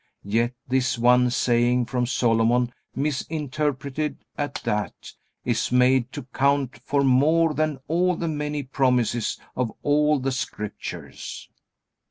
Yet this one saying from Solomon, misinterpreted at that, is made to count for more than all the many promises of all the Scriptures.